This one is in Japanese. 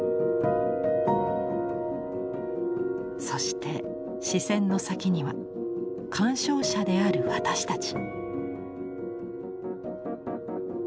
そして視線の先には鑑賞者である私たち。